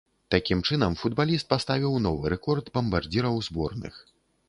Такім чынам, футбаліст паставіў новы рэкорд бамбардзіраў зборных.